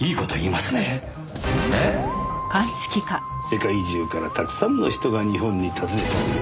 世界中からたくさんの人が日本に訪ねてくる。